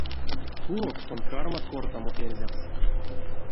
Курок тон кармат кортамо эрзякс.